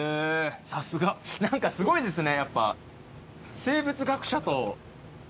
さすが何かすごいですねやっぱ。